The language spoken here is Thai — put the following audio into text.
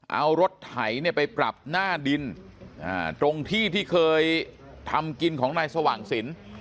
เอารถไถไปปรับหน้าดินตรงที่ที่เคยทำกินของนายสว่างสิน